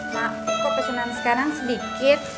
mak kok pesunan sekarang sedikit